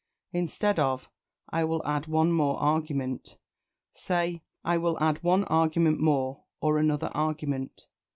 Instead of "I will add one more argument," say "I will add one argument more," or "another argument."